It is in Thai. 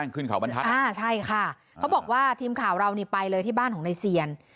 ขึ้นเขาบรรทัศน์อ่าใช่ค่ะเขาบอกว่าทีมข่าวเรานี่ไปเลยที่บ้านของนายเซียน